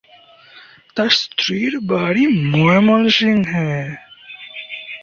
তার স্ত্রীর বাড়ি ময়মনসিংহে।